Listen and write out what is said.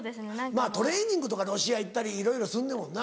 まぁトレーニングとかロシア行ったりいろいろすんねんもんな。